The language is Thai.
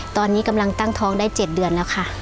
ตอนนี้กำลังตั้งท้องได้๗เดือนแล้วค่ะ